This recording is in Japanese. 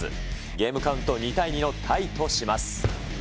ゲームカウント２対２のタイとします。